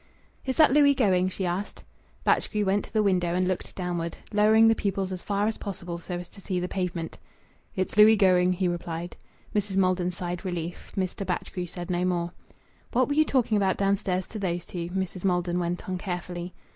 "Is that Louis going?" she asked. Batchgrew went to the window and looked downward, lowering the pupils as far as possible so as to see the pavement. "It's Louis going," he replied. Mrs. Maldon sighed relief. Mr. Batchgrew said no more. "What were you talking about downstairs to those two?" Mrs. Maldon went on carefully.